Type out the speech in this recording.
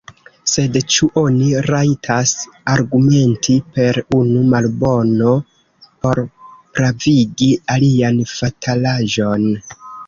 Sed ĉu oni rajtas argumenti per unu malbono por pravigi alian fatalaĵon?